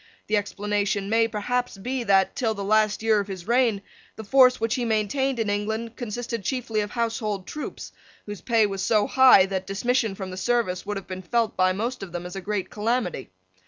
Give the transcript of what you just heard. The explanation may perhaps be that, till the last year of his reign, the force which he maintained in England consisted chiefly of household troops, whose pay was so high that dismission from the service would have been felt by most of them as a great calamity.